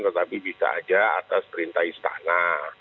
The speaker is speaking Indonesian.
tetapi bisa saja atas perintah istana